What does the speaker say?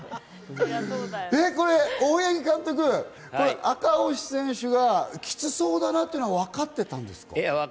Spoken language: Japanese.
大八木監督、赤星選手がキツそうだなというのは、わかってたんですか？